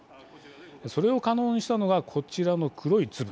それを可能にしたのがこちらの黒い粒。